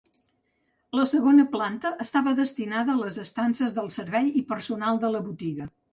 La segona planta estava destinada a les estances del servei i personal de la botiga.